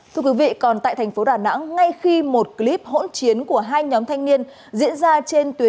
thưa quý vị còn tại thành phố đà nẵng ngay khi một clip hỗn chiến của hai nhóm thanh niên diễn ra trên tuyến